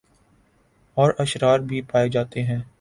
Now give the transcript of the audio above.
اور اشرار بھی پائے جاتے ہیں